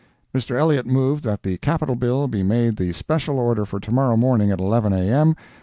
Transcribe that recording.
Mr. Elliott moved that the Capital Bill be made the special order for tomorrow morning at 11 A.M.